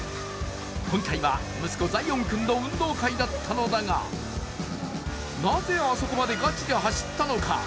今回は息子・ザイオン君の運動会だったのだがなぜあそこまでガチで走ったのか。